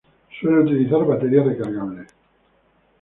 Suele utilizar baterías recargables.